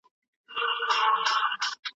حرص او تمي و تر دامه راوستلی